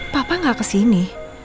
papa nggak kesini